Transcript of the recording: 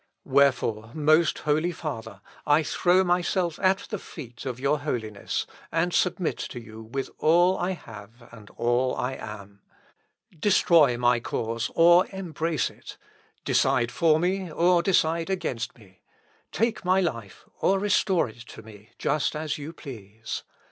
"Wherefore, most Holy Father, I throw myself at the feet of your Holiness, and submit to you with all I have, and all I am. Destroy my cause, or embrace it; decide for me, or decide against me; take my life, or restore it to me, just as you please.